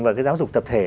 và cái giáo dục tập thể